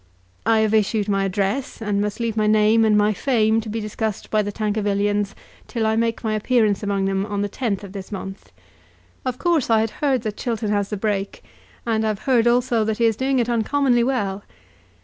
I have issued my address, and must leave my name and my fame to be discussed by the Tankervillians till I make my appearance among them on the 10th of this month. Of course, I had heard that Chiltern has the Brake, and I have heard also that he is doing it uncommonly well.